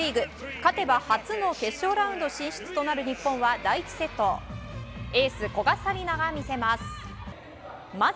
勝てば初の決勝ラウンド進出となる日本は第１セット、エース古賀紗理那が見せます。